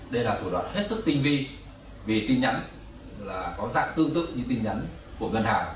đây là thủ đoạn hết sức tinh vi vì tin nhắn là có dạng tương tự như tin nhắn của ngân hàng